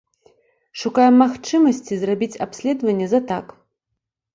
Шукаем магчымасці зрабіць абследаванне за так.